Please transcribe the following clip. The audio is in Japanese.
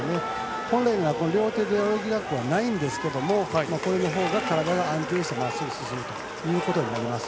本来なら両手で泳げなくはないんですがこれのほうが体が安定してまっすぐ進むということになります。